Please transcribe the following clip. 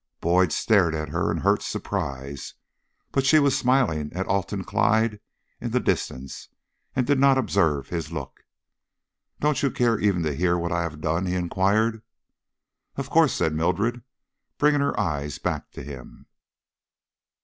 Boyd stared at her in hurt surprise; but she was smiling at Alton Clyde in the distance, and did not observe his look. "Don't you care even to hear what I have done?" he inquired. "Of course," said Mildred, bringing her eyes back to him.